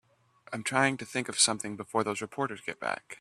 I'm trying to think of something before those reporters get back.